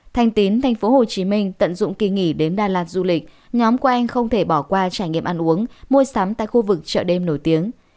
thành tín thành phố hồ chí minh tận dụng kỳ nghỉ đến đà lạt du lịch nhóm của anh không thể bỏ qua trải nghiệm ăn uống mua sắm tại khu vực chợ đêm nổi tiếng